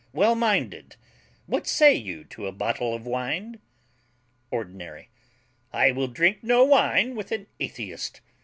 well minded. What say you to a bottle of wine? ORDINARY. I will drink no wine with an atheist.